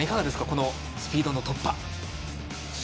このスピードの突破。